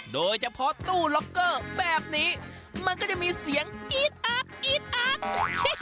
โดยเฉพาะตู้ล็อกเกอร์แบบนี้มันก็จะมีเสียงกรี๊ดอัดกรี๊ดอัด